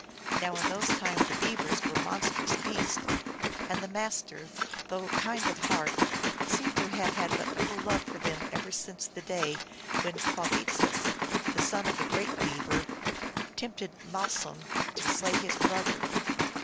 Now in those times the Beavers were monstrous beasts, and the Master, though kind of heart, seems to have had but little love for them ever since the day when Qwah beetsis, the son of the Great Beaver, tempted Malsum to slay his brother.